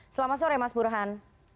selamat sore mas burhan